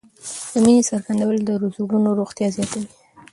د مینې څرګندول د زړونو روغتیا زیاتوي.